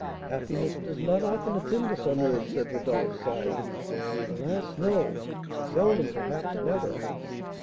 "Happiness does not often attend us on earth," said Rodolph, sighing. "Alas, no! Seldom, perhaps never."